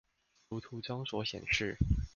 如圖中所顯示